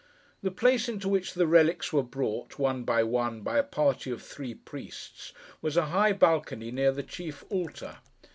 The place into which the relics were brought, one by one, by a party of three priests, was a high balcony near the chief altar.